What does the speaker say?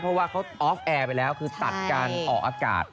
เพราะว่าเขาออฟแอร์ไปแล้วคือตัดการออกอากาศ